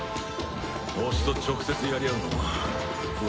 推しと直接やり合うのも悪くねえな。